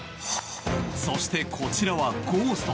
そして、こちらはゴースト。